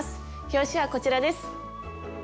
表紙はこちらです。